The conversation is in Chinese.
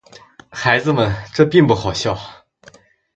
孩子们，这并不好笑。